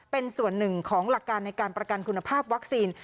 เป็นส่วนหนึ่งของหลักการในการประกันคุณภาพวัคซีน